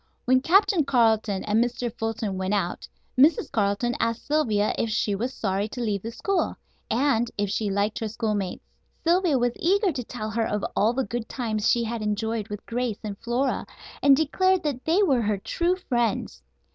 When Captain Carleton and Mr. Fulton went out Mrs. Carleton asked Sylvia if she was sorry to leave the school, and if she liked her schoolmates. Sylvia was eager to tell her of all the good times she had enjoyed with Grace and Flora, and declared that they were her true friends.